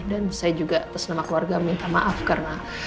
dan saya juga atas nama keluarga minta maaf karena